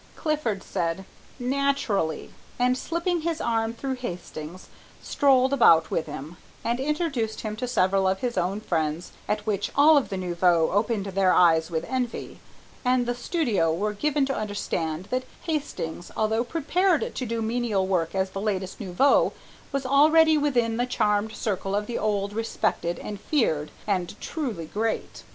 Clifford said "Naturally," and slipping his arm through Hastings', strolled about with him, and introduced him to several of his own friends, at which all the nouveaux opened their eyes with envy, and the studio were given to understand that Hastings, although prepared to do menial work as the latest nouveau, was already within the charmed circle of the old, respected and feared, the truly great.